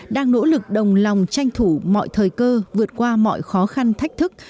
đang nỗ lực đồng lòng tranh thủ mọi thời cơ vượt qua mọi khó khăn thách thức